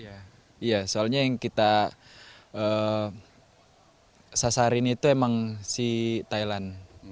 iya soalnya yang kita sasarin itu emang si thailand